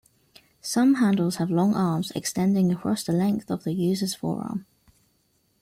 Some handles have long arms extending across the length of the user's forearm.